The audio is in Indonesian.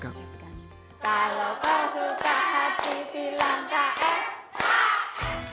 kalau kau suka hati bilang km km